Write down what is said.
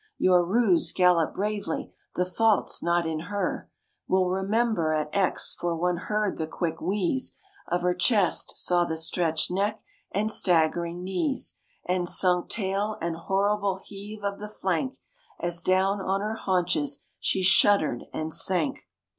Your Roos galloped bravely, the fault's not in her, We'll remember at Aix" for one heard the quick wheeze Of her chest, saw the stretched neck, and staggering knees, And sunk tail, and horrible heave of the flank, As down on her haunches she shuddered and sank.